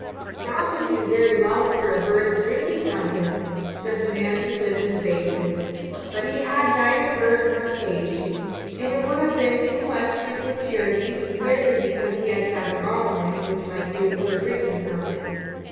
"That would do very well for a bird's drinking fountain! " said the man who lived in the basement; but he had neither bird nor cage, and it would have been too much to procure these merely because he had found a bottle neck which would do for a drinking fountain.